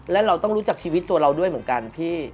และเราต้องรู้จักชีวิตตัวเราด้วยเหมือนกันพี่